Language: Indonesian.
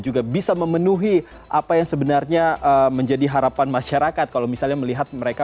juga bisa memenuhi apa yang sebenarnya menjadi harapan masyarakat kalau misalnya melihat mereka